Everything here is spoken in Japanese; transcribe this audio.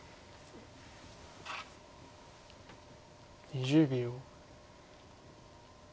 ２０秒。